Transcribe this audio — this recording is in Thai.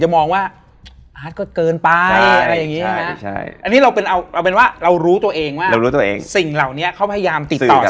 มาสวดตาม